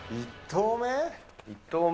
１投目？